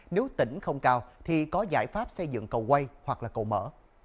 nếu tỉnh không cao thì có giải pháp xây dựng cầu quay hoặc là cầu mở